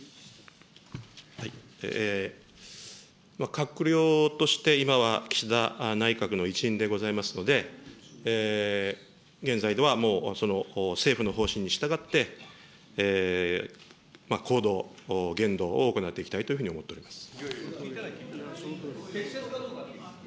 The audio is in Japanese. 閣僚として、今は岸田内閣の一員でございますので、現在ではもう、政府の方針に従って、行動、言動を行っていきたいというふうに思っています。